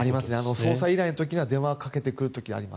捜査依頼の時は電話をかけることがあります。